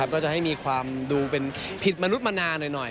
ก็จะให้มีความดูเป็นผิดมนุษย์มนาหน่อย